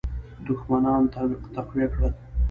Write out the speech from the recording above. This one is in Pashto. دښمنان تقویه کړل.